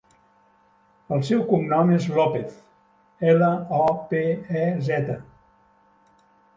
El seu cognom és Lopez: ela, o, pe, e, zeta.